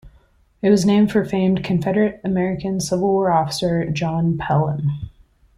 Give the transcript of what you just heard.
It was named for famed Confederate American Civil War officer John Pelham.